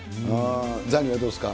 ザニーはどうですか。